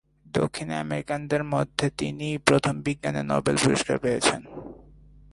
দক্ষিণ আমেরিকানদের মধ্যে তিনিই প্রথম বিজ্ঞানে নোবেল পুরস্কার পেয়েছেন।